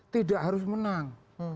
tidak harus menang